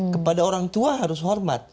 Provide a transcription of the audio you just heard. kepada orang tua harus hormat